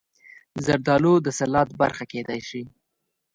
زردالو د سلاد برخه کېدای شي.